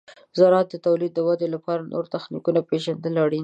د زراعت د تولید د ودې لپاره د نوو تخنیکونو پیژندل اړین دي.